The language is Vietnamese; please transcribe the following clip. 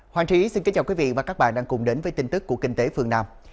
hoàng trí xin kính chào quý vị và các bạn đang cùng đến với tin tức của kinh tế phương nam